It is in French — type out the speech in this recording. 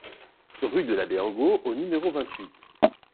Rue de l'Abbé Angot au numéro vingt-huit